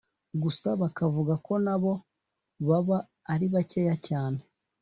gusa bakavuga ko na bo baba ari bakeya cyane